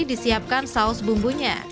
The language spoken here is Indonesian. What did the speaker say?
disiapkan saus bumbunya